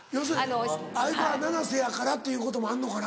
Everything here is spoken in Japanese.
要するに相川七瀬やからっていうこともあんのかな？